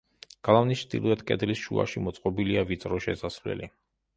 გალავნის ჩრდილოეთ კედლის შუაში მოწყობილია ვიწრო შესასვლელი.